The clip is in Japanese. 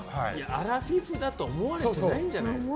アラフィフだと思われてないんじゃないですか。